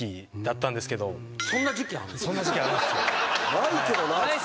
ないけどな普通。